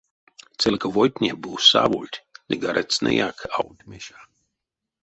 Целковойтне бу савольть ды гарецтнеяк авольть меша.